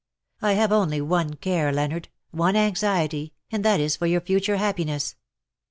I have only one care, Leonard, one anxiety, and that is for your future happiness.